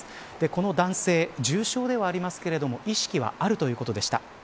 この男性、重傷ではありますが意識はあるということでした。